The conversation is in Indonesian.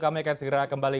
kami akan segera kembali